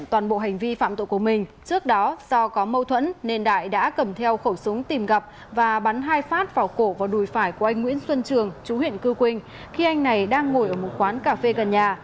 trước đó do có mâu thuẫn nên đại đã cầm theo khẩu súng tìm gặp và bắn hai phát vào cổ và đùi phải của anh nguyễn xuân trường chú huyện cư quynh khi anh này đang ngồi ở một quán cà phê gần nhà